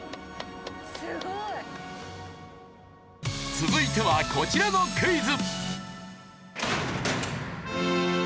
続いてはこちらのクイズ。